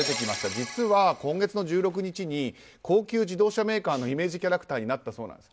実は、今月の１６日に高級自動車メーカーのイメージキャラクターになったそうなんです。